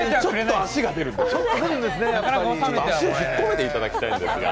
足を引っ込めていただきたいんですけど。